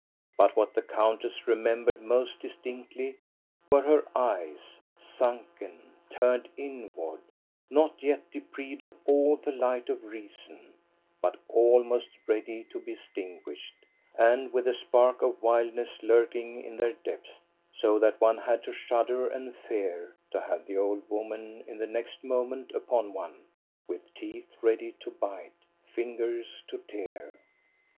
But what the countess remembered most distinctly were her eyes, sunken, turned inward, not yet deprived of all the light of reason, but almost ready to be ex THE YOUNG COUNTESS l8l tinguished, and with a spark of wildness lurking in their depths, so that one had to shudder and fear to have the old woman in the next moment upon one, with teeth ready to bite, fingers to tear.